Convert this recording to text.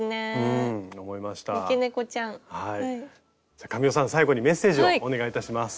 じゃ神尾さん最後にメッセージをお願いいたします。